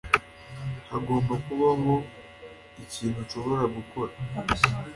Hagomba kubaho ikintu nshobora gukora